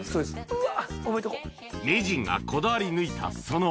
うわ！